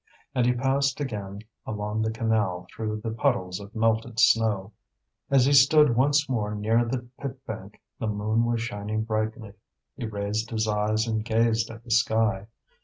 And he passed again along the canal through the puddles of melted snow. As he stood once more near the pit bank the moon was shining brightly. He raised his eyes and gazed at the sky.